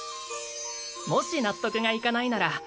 もし納得がいかないなら